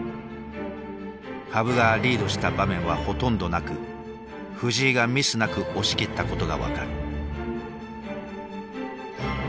羽生がリードした場面はほとんどなく藤井がミスなく押し切ったことが分かる。